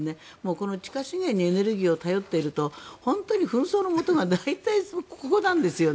この地下資源にエネルギーを頼っていると本当に紛争のもとが大体、ここなんですよね。